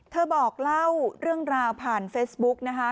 บอกเล่าเรื่องราวผ่านเฟซบุ๊กนะคะ